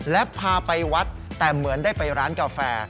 และพาไปวัดแต่เหมือนได้ไปร้านกาแฟ